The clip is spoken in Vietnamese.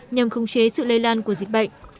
nhằm khung chế sự lây lan của dịch bệnh